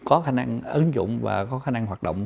có khả năng ứng dụng và có khả năng hoạt động